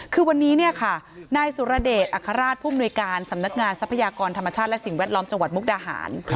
คือวันนี้เนี่ยค่ะนายสุรเดชอัครราชผู้มนุยการสำนักงานทรัพยากรธรรมชาติและสิ่งแวดล้อมจังหวัดมุกดาหาร